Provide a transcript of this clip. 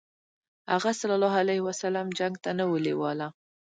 هغه ﷺ جنګ ته نه و لېواله.